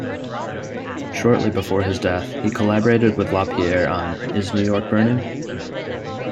Shortly before his death, he collaborated with Lapierre on Is New York Burning?